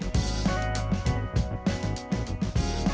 bukalkar minta lima kursi pak